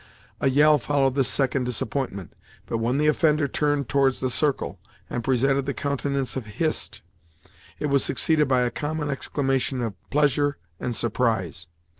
A yell followed this second disappointment, but when the offender turned towards the circle, and presented the countenance of Hist, it was succeeded by a common exclamation of pleasure and surprise.